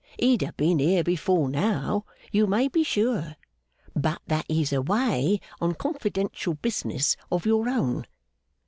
He'd have been here before now, you may be sure, but that he's away on confidential business of your own.